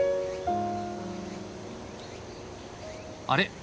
あれ？